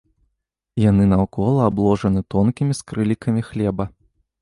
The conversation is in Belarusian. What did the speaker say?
Яны наўкола абложаны тонкімі скрылікамі хлеба.